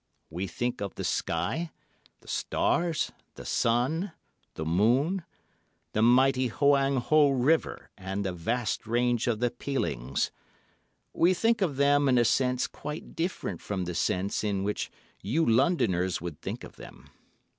We think of the sky, the stars, the sun, the moon, the mighty Hoang Ho River and the vast range of the Pelings. We think of them in a sense quite different from the sense in which you Londoners would think of them.